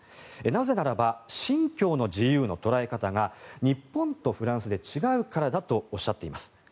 なぜならば信教の自由の捉え方が日本とフランスで違うからだとおっしゃっています。